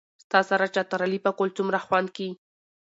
ستا سره چترالي پکول څومره خوند کئ